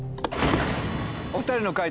お２人の解答